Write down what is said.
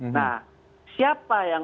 nah siapa yang